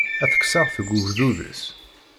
Ad t-kkseɣ seg ugdud-is.